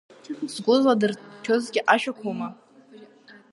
Сгәы зладырҭәызгьы ашәақәоума?